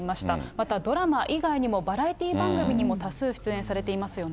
またドラマ以外にもバラエティー番組にも多数出演されていますよね。